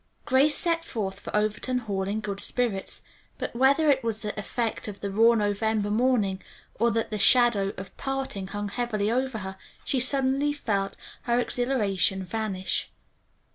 Grace set forth for Overton Hall in good spirits, but whether it was the effect of the raw November morning or that the shadow of parting hung heavily over her, she suddenly felt her exhilaration vanish.